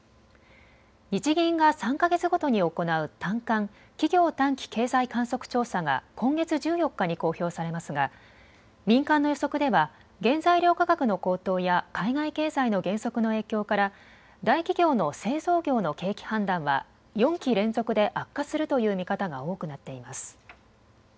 日銀が３か月ごとに行う短観・企業短期経済観測調査が今月１４日に公表されますが民間の予測では原材料価格の高騰や海外経済の減速の影響から大企業の製造業の景気判断は４期連続で悪化するという見方が多くなっています。